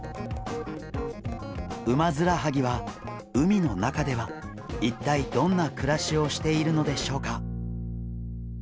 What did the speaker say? ウマヅラハギは海の中では一体どんな暮らしをしているのでしょうか？